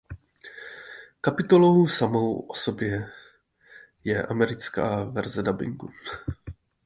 Kapitolou samou o sobě je americká verze dabingu.